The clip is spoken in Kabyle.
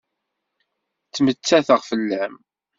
Ttmettateɣ fell-am.